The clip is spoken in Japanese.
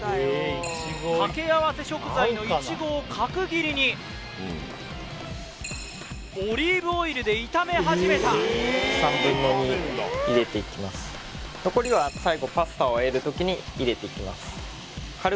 掛け合わせ食材のオリーブオイルで炒めはじめた残りは最後パスタをあえる時に入れていきます